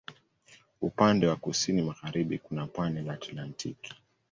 Upande wa kusini magharibi kuna pwani la Atlantiki.